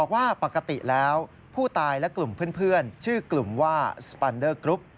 ว่าปกติแล้วผู้ตายและกลุ่มเพื่อนชื่อกลุ่มว่าสปันเดอร์กรุ๊ป